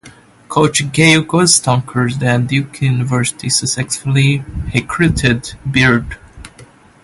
Coach Gail Goestenkors, then at Duke University, successfully recruited Beard.